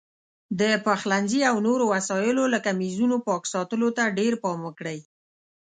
د پخلنځي او نورو وسایلو لکه میزونو پاک ساتلو ته ډېر پام وکړئ.